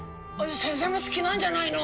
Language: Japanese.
先生も好きなんじゃないの？